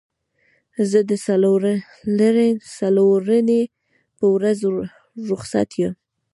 زه د څلورنۍ په ورځ روخصت یم